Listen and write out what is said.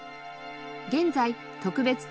現在特別展